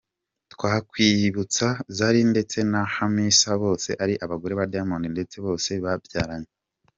Twakwibutsa Zari ndetse na Hamisa bose ari abagore ba Diamond ndetse bose babyaranye.